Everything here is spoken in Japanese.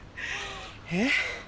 えっ？